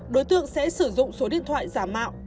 đối tượng sẽ sử dụng số điện thoại giả mạo